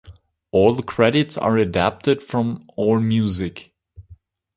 All credits are adapted from "Allmusic".